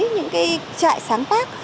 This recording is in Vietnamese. những cái trại sáng tác